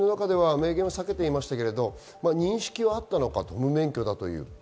明言、避けていましたが、認識はあったのかと、無免許だという。